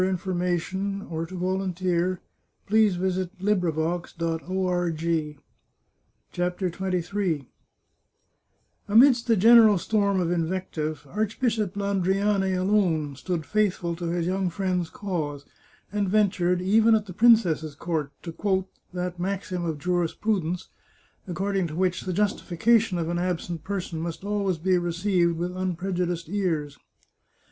Thus do small despots whittle down the value of public opinion. 423 CHAPTER XXIII Amidst the general storm of invective, Archbishop Lan driani alone stood faithful to his young friend's cause, and ventured, even at the princess's court, to quote that maxim of jurisprudence, according to which the justification of an absent person must always be received with unprejudiced ears.